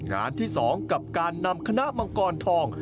งานที่๒กับการนำคณะมังกรทอง